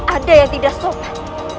ada yang tidak sopan